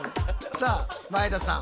さあ前田さん。